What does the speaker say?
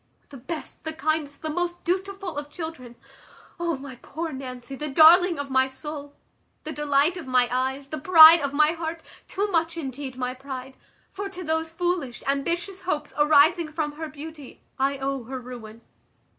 The best, the kindest, the most dutiful of children! O my poor Nancy, the darling of my soul! the delight of my eyes! the pride of my heart! too much, indeed, my pride; for to those foolish, ambitious hopes, arising from her beauty, I owe her ruin.